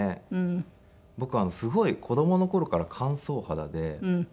僕すごい子供の頃から乾燥肌で。